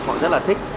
họ rất là thích